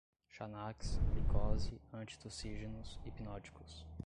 xanax, glicose, antitussígenos, hipnóticos